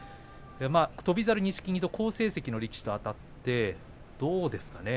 翔猿、錦木と好成績の力士とあたってどうですかね？